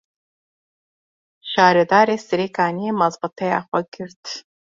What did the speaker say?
Şaredarê Serêkaniyê, mazbataya xwe girt